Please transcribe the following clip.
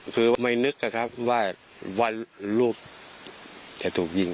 คือไม่นึกนะครับว่าลูกจะถูกยิง